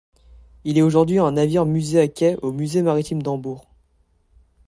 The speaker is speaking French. Il est aujourd'hui un navire musée à quai au musée maritime d'Hambourg.